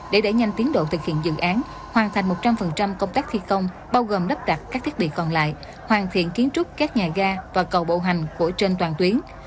để đẩy nhanh tiến độ thực hiện dự án hoàn thành một trăm linh công tác thi công bao gồm đắp đặt các thiết bị còn lại hoàn thiện kiến trúc các nhà ga và cầu bộ hành của trên toàn tuyến